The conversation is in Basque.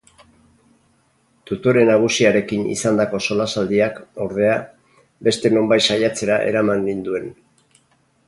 Tutore nagusiarekin izandako solasaldiak, ordea, beste nonbait saiatzera eraman ninduen.